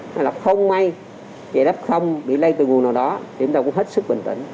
hay là không may trẻ f bị lây từ nguồn nào đó thì chúng ta cũng hết sức bình tĩnh